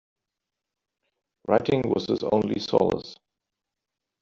Writing was his only solace